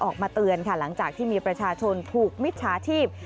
ออกมาเตือนค่ะหลังจากที่มีประชาชนถูกมิจฉาชีพ